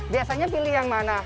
biasanya pilih yang mana